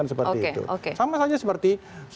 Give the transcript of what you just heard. sama saja seperti